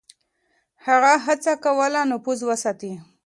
هغه هڅه کوله نفوذ وساتي.